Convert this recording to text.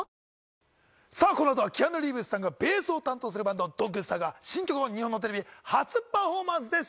このあとはキアヌ・リーブスさんがベースを担当するバンド・Ｄｏｇｓｔａｒが、新曲を日本のテレビ初生パフォーマンスです！